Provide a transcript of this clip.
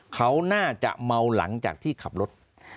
เขาน่าจะเมาหลังจากที่ขับรถ